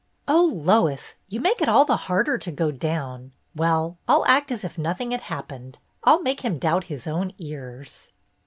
" Oh, Lois, you make it all the harder to go down. Well, I'll act as if nothing had hap pened. I 'll make him doubt his own ears